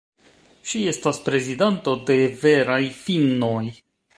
Ŝi estas prezidanto de Veraj finnoj.